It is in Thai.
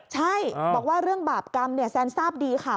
ใช่บอกว่าเรื่องบาปกรรมแซนทราบดีค่ะ